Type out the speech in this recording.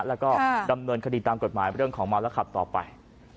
แล้วก็ดำเนินคดีตามกฎหมายเรื่องของเมาแล้วขับต่อไป